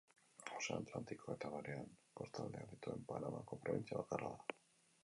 Ozeano Atlantiko eta Barean kostaldeak dituen Panamako probintzia bakarra da.